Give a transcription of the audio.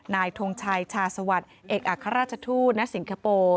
ทงชัยชาสวัสดิ์เอกอัครราชทูตณสิงคโปร์